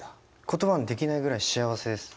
言葉にできないぐらい幸せです。